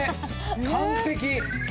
完璧！